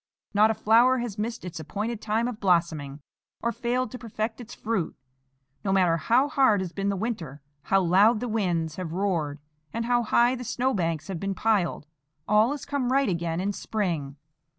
Not a flower has missed its appointed time of blossoming, or failed to perfect its fruit. No matter how hard has been the winter, how loud the winds have roared, and how high the snow banks have been piled, all has come right again in spring.